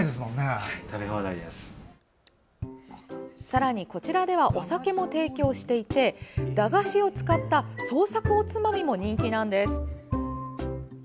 さらに、こちらではお酒も提供していて駄菓子を使った創作おつまみも人気なんです。